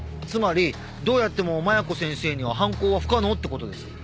つまりどうやっても麻弥子先生には犯行は不可能って事です。